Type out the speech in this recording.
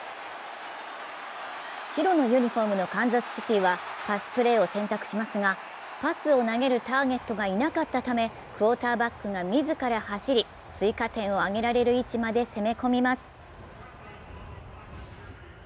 白のユニフォームのカンザスシティはパスプレーを選択しますがパスを投げるターゲットがいなかったためクオーターバックが自ら走り追加点を挙げられる位置まで攻め込みます。